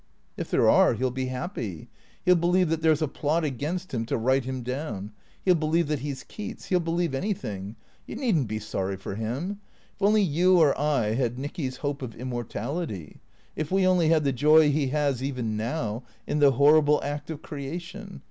" If there are he '11 be happy. He '11 believe that there 's a plot against him to write him down. He '11 believe that he 's Keats. He '11 believe anything. You need n't be sorry for him. If only you or I had Nicky's hope of immortality — if we only had the joy he has even now, in the horrible act of creation.